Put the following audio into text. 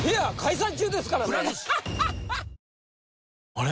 あれ？